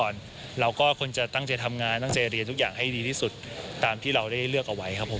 เราก็ควรจะตั้งใจทำงานตั้งใจเรียนทุกอย่างให้ดีที่สุดตามที่เราได้เลือกเอาไว้ครับผม